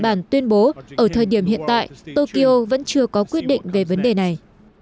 bản tuyên bố ở thời điểm hiện tại tokyo vẫn chưa có quyết định về vấn đề này